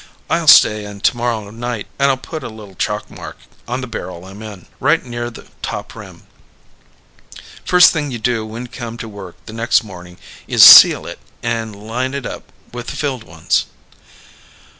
I'll stay in tomorrow night and I'll put a little chalk mark on the barrel I'm in right near the top rim. First thing you do when you come to work the next morning is seal it and line it up with the filled ones."